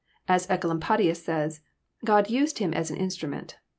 As "ficolampadius says, God used him as an instrument."